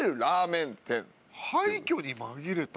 廃墟に紛れた？